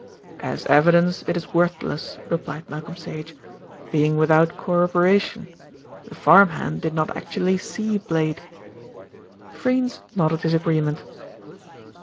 "As evidence it is worthless," replied Malcolm Sage, "being without corroboration. The farmhand did not actually see Blade." Freynes nodded his agreement.